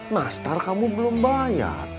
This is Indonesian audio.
nastar kamu belum bayar